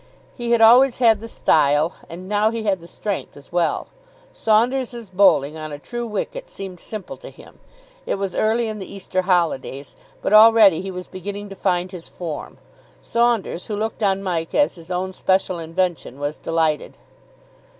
He had always had the style, and now he had the strength as well. Saunders's bowling on a true wicket seemed simple to him. It was early in the Easter holidays, but already he was beginning to find his form. Saunders, who looked on Mike as his own special invention, was delighted.